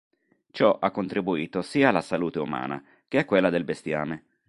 Ciò ha contribuito sia alla salute umana che a quella del bestiame.